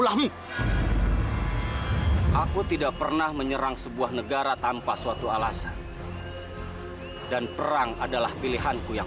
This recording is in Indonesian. lah aku tidak pernah menyerang sebuah negara tanpa suatu alasan dan perang adalah pilihanku yang